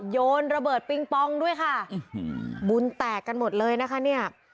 โยนระเบิดปิงปองด้วยค่ะบุญแตกกันหมดเลยนะคะเนี่ย